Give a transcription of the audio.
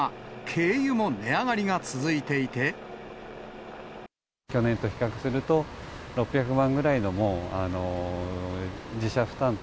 今、去年と比較すると、６００万ぐらいの、もう自社負担と。